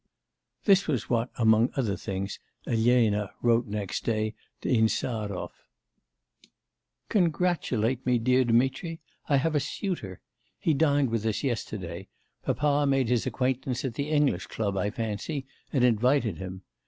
This was what, among other things, Elena wrote next day to Insarov: 'Congratulate me, dear Dmitri, I have a suitor. He dined with us yesterday: papa made his acquaintance at the English club, I fancy, and invited him.